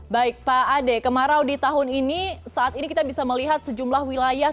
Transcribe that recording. baik pak ade kemarau di tahun ini saat ini kita bisa melihat sejumlah wilayah